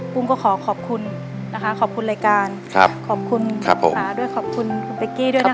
ก็ขอขอบคุณนะคะขอบคุณรายการขอบคุณจ๋าด้วยขอบคุณคุณเป๊กกี้ด้วยนะคะ